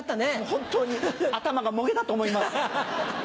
本当に頭がもげたと思います。